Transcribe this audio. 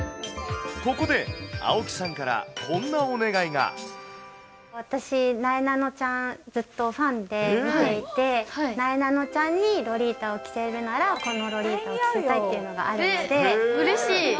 ここで、青木さんからこんな私、なえなのちゃん、ずっとファンで見ていて、なえなのちゃんにロリータを着せるなら、このロリータを着せたいうれしい。